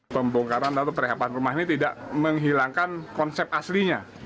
pembongkaran lalu perihapan rumah ini tidak menghilangkan konsep aslinya